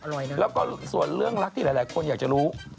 แล้วก็ส่วนเรื่องรักที่หลายคนอยากจะรู้